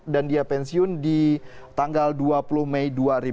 dan dia pensiun di tanggal dua puluh mei dua ribu tujuh belas